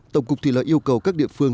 tổng cục thủy lợi yêu cầu các địa phương